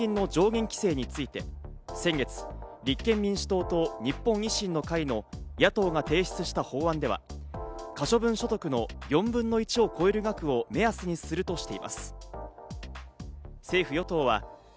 例えば献金の上限規制について、先月、立憲民主党と日本維新の会の野党が提出した法案では、可処分所得の４分の１を超える額を目安にするとしています。